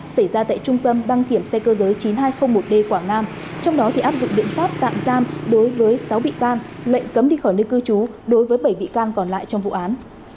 xảy ra tại trung tâm đăng kiểm xe cơ giới chín nghìn hai trăm linh một d quảng nam trong đó thì áp dụng biện pháp tạm giam đối với sáu bị can lệnh cấm đi khỏi nơi cư trú đối với bảy bị can còn lại trong vụ án